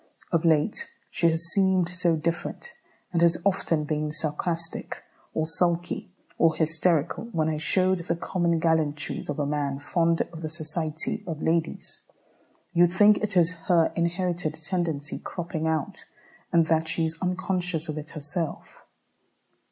Of late she has seemed so different, and has often been sarcastic, or sulky, or hysterical, when I showed the common gallantries of a man fond of the society of ladies." You think it is her inherited tendency cropping out, and that she is unconscious of it herself.